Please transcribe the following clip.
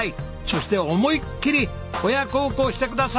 そして思いっきり親孝行してください。